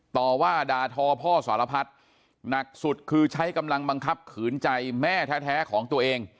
ต่อว่าด่าทอพ่อสารพัดหนักสุดคือใช้กำลังบังคับขืนใจแม่แท้ของตัวเอง